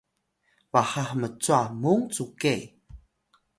baha hmcwa mung cu ke